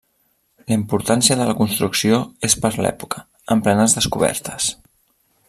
La importància de la construcció és per l'època: en plenes descobertes.